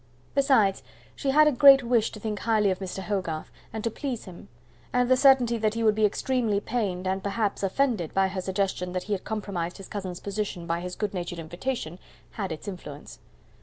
Besides, she had a great wish to think highly of Mr. Hogarth, and to please him; and the certainty that he would be extremely pained and, perhaps, offended by her suggestion that he had compromised his cousin's position by his good natured invitation, had its influence.